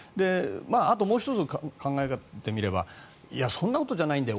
あともう１つ考えてみればいや、そんなことじゃないんだよ